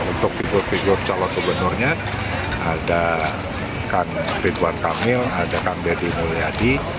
untuk figur figur calon gubernurnya ada kang ridwan kamil ada kang deddy mulyadi